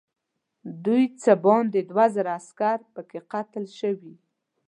دوی څه باندې دوه زره عسکر پکې قتل شوي.